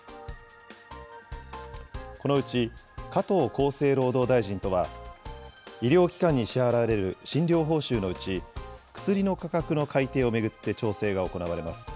このうち、加藤厚生労働大臣とは、医療機関に支払われる診療報酬のうち、薬の価格の改定を巡って調整が行われます。